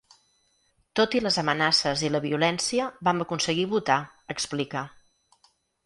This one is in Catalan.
Tot i les amenaces i la violència vam aconseguir votar, explica.